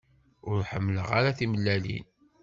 Ur ḥemmleɣ ara timellalin.